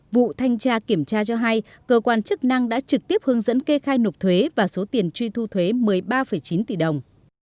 vụ thanh tra kiểm tra cho hay cơ quan chức năng đã trực tiếp hướng dẫn kê khai nộp thuế và số tiền truy thu thuế một mươi ba chín tỷ đồng